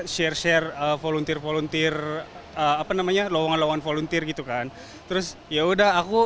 share share volunteer volunteer apa namanya lawangan lawan volunteer gitu kan terus yaudah aku